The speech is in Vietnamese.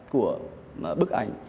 của bức ảnh